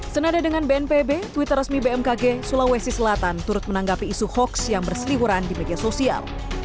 senada dengan bnpb twitter resmi bmkg sulawesi selatan turut menanggapi isu hoax yang berseliwuran di media sosial